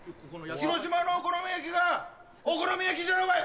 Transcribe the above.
広島のお好み焼きがお好み焼きじゃろうがい！